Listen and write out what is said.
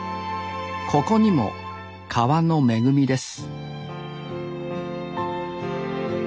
ここにも川の恵みです